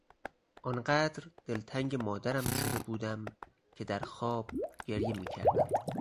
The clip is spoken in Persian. آنقدر دلتنگ مادرم شده بودم که در خواب گریه میکردم.